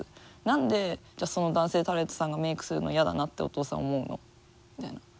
何でじゃあその男性タレントさんがメークするの嫌だなってお父さん思うのって。